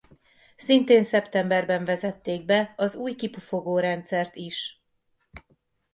Szintén szeptemberben vezették be az új kipufogó rendszert is.